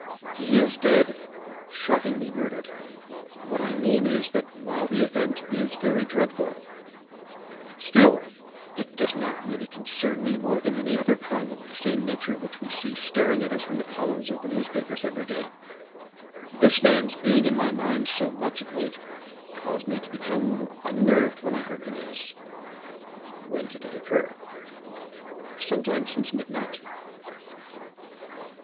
"He is dead shockingly murdered. What I mean is, that while the event is very dreadful still, it does not really concern me more than any other crime of the same nature which we see staring at us from the columns of the newspapers every day. This man's being in my mind so much of late caused me to become unnerved when I heard the news." "When did it occur?" "Sometime since midnight."